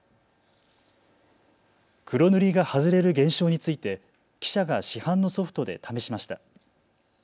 黒塗りが外れる現象について記者が市販のソフトで試しました。